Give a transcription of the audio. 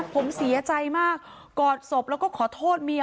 ผมเสียใจมากกอดศพแล้วก็ขอโทษเมีย